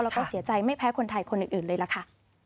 แล้วก็เสียใจไม่แพ้คนไทยคนอื่นเลยล่ะค่ะ